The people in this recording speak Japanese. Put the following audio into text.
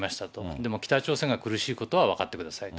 でも、北朝鮮が苦しいことは分かってくださいと。